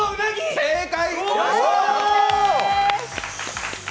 正解！